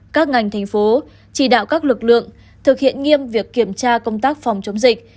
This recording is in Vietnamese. các ngành thành phố chỉ đạo các lực lượng thực hiện nghiêm việc kiểm tra công tác phòng chống dịch